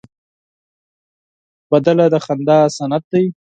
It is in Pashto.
سندره د خندا سند دی